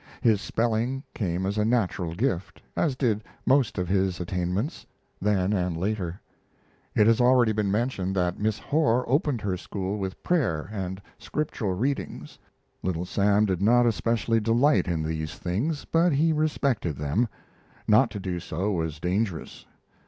His spelling came as a natural gift, as did most of his attainments, then and later. It has already been mentioned that Miss Horr opened her school with prayer and Scriptural readings. Little Sam did not especially delight in these things, but he respected them. Not to do so was dangerous.